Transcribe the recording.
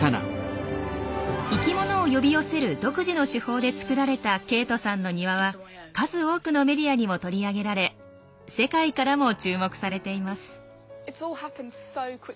生きものを呼び寄せる独自の手法でつくられたケイトさんの庭は数多くのメディアにも取り上げられ世界からも注目されています。